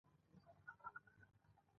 له همدې امله یو بد امکان شته.